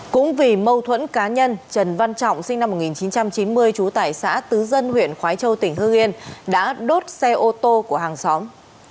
cũng vì mâu thuẫn cá nhân trần văn trọng sinh năm một nghìn chín trăm chín mươi trú tại xã tứ dân huyện khói châu tỉnh hương yên đã đốt xe ô tô của hàng xóm